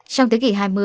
trong thế kỷ hai mươi